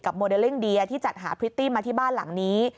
โมเดลลิ่งเดียที่จัดหาพริตตี้มาที่บ้านหลังนี้